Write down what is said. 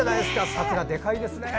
さくら、でかいですね。